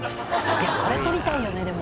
いやこれ撮りたいよねでも。